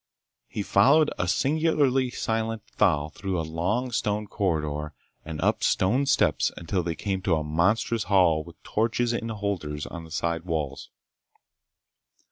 He followed a singularly silent Thal through a long stone corridor and up stone steps until they came to a monstrous hall with torches in holders on the side walls.